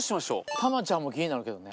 タマちゃんも気になるけどね。